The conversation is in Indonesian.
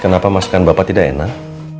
kenapa masukan bapak tidak enak